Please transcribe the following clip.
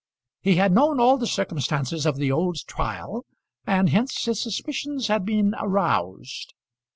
He had known all the circumstances of the old trial, and hence his suspicions had been aroused.